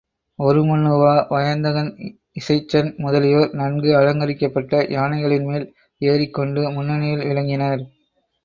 உருமண்ணுவா, வயந்தகன், இசைச்சன் முதலியோர் நன்கு அலங்கரிக்கப்பட்ட யானைகளின்மேல் ஏறிக்கொண்டு முன்னணியில் விளங்கினர்.